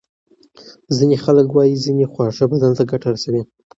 ځینې خلک وايي ځینې خواړه بدن ته ګټه رسوي.